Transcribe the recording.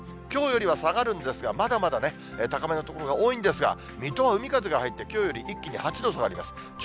きょうよりは下がるんですが、まだまだ高めの所が多いんですが、水戸は海風が入って、きょうより一気に８度下がります。